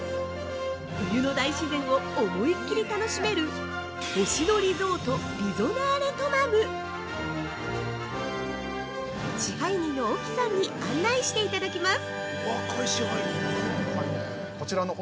冬の大自然を思いっきり楽しめる「星野リゾートリゾナーレトマム」支配人の沖さんに案内していただきます。